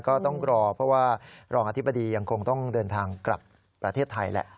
ก็ต้องรอเพราะว่ารองอธิบดียังคงต้องเดินทางกลับประเทศไทยแหละ